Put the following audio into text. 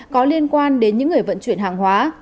có liên quan đến những người vận chuyển hàng hóa